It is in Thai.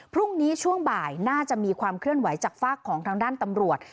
พรุ่งนี้ช่วงบ่ายน่าจะมีความเคลื่อนไหวจากฝากของทางด้านตำรวจ